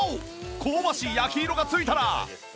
香ばしい焼き色が付いたら